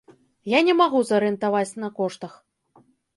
Я не магу зарыентаваць на коштах.